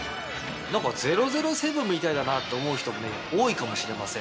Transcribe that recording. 何か『００７』みたいだなと思う人もね多いかもしれません。